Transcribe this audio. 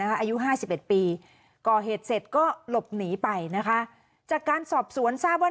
อายุห้าสิบเอ็ดปีก่อเหตุเสร็จก็หลบหนีไปนะคะจากการสอบสวนทราบว่า